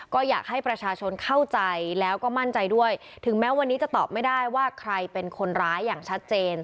ก็อยากให้ประชาชนเข้าใจแล้วก็มั่นใจด้วยถึงแม้วันนี้จะตอบไม่ได้ว่าใครเป็นคนร้ายอย่างชัดเจน